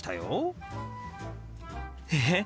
えっ？